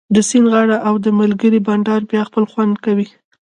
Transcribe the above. د سیند غاړه او د ملګرو بنډار بیا بل خوند کوي